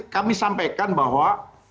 kami sampaikan bahwa